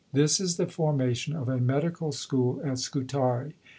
This is the formation of a Medical School at Scutari.